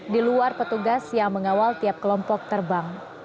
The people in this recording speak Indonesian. di luar petugas yang mengawal tiap kelompok terbang